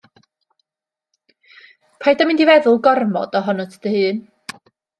Paid â mynd i feddwl gormod ohonot dy hun.